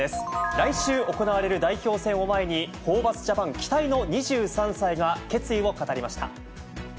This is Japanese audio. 来週行われる代表戦を前に、ホーバスジャパン期待の２３歳が、決意を語りました。